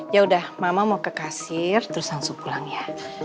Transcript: yaudah mama mau ke kasir terus langsung pulang ya